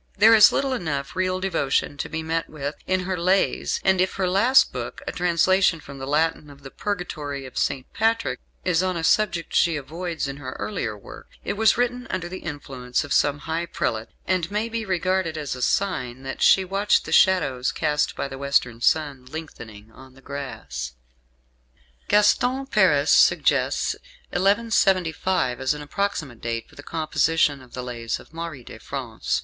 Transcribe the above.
There is little enough real devotion to be met with in her "Lays"; and if her last book a translation from the Latin of the Purgatory of St. Patrick is on a subject she avoids in her earlier work, it was written under the influence of some high prelate, and may be regarded as a sign that she watched the shadows cast by the western sun lengthening on the grass. Gaston Paris suggests 1175 as an approximate date for the composition of the "Lays" of Marie de France.